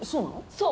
そう！